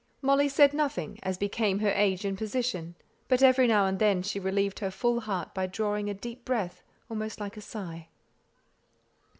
Molly said nothing, as became her age and position, but every now and then she relieved her full heart by drawing a deep breath, almost like a sigh.